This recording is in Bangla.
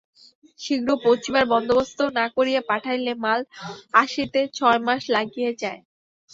শীঘ্র পৌঁছিবার বন্দোবস্ত না করিয়া পাঠাইলে মাল আসিতে ছয় মাস লাগিয়া যায়।